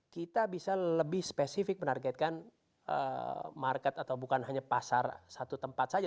kita bisa lebih spesifik menargetkan market atau bukan hanya pasar satu tempat saja